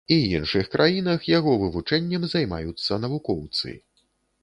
І іншых краінах яго вывучэннем займаюцца навукоўцы.